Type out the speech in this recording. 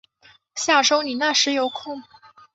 下周你那时有空